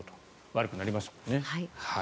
悪くなりますよね。